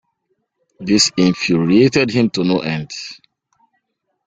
This infuriated him to no end.